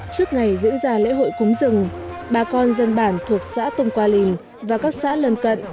trước ngày diễn ra lễ hội cúng rừng bà con dân bản thuộc xã tung qua lìn và các xã lân cận